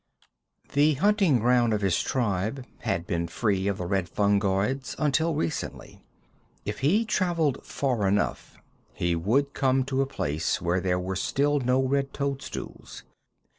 The hunting ground of his tribe had been free of the red fungoids until recently. If he traveled far enough he would come to a place where there were still no red toadstools.